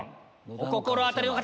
お心当たりの方！